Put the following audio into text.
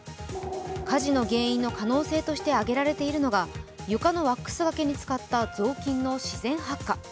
火事の原因の可能性として挙げられているのが床のワックスがけに使った雑巾の自然発火。